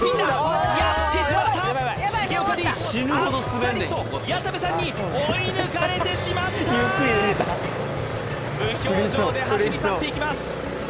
あっさりと矢田部さんに追い抜かれてしまった無表情で走り去っていきます